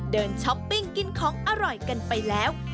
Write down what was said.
ช้อปปิ้งกินของอร่อยกันไปแล้ว